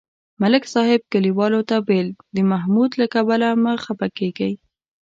ملک صاحب کلیوالو ته ویل: د محمود له کبله مه خپه کېږئ.